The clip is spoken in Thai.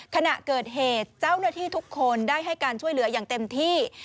ขณะเกิดเหตุเจ้าหน้าที่ทุกคนได้ให้การช่วยเหลืออย่างเต็มที่